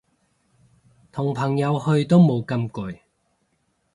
同朋友去都冇咁攰